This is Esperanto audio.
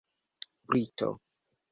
brito